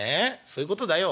そういうことだよ」。